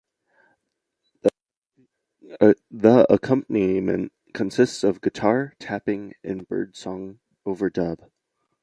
The accompaniment consists of guitar, tapping, and birdsong overdub.